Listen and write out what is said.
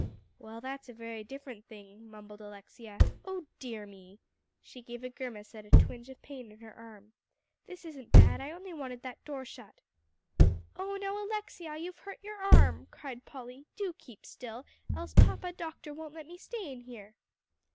"Well, that's a very different thing," mumbled Alexia. "Oh dear me!" She gave a grimace at a twinge of pain in her arm. "This isn't bad; I only wanted that door shut." "Oh now, Alexia, you've hurt your arm!" cried Polly; "do keep still, else Papa Doctor won't let me stay in here."